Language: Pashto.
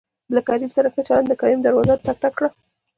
له کريم سره ښه چلېده د کريم دروازه ټک، ټک کړه.